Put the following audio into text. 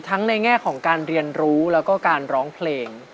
ในแง่ของการเรียนรู้แล้วก็การร้องเพลง